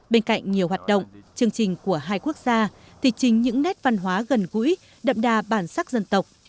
bên cạnh nhiều hoạt động chương trình của hai quốc gia thì chính những nét văn hóa gần gũi đậm đà bản sắc dân tộc